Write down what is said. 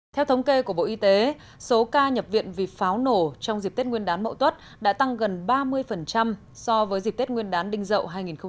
theo thống kê của bộ y tế số ca nhập viện vì pháo nổ trong dịp tết nguyên đán mậu tuất đã tăng gần ba mươi so với dịp tết nguyên đán đình dậu hai nghìn một mươi chín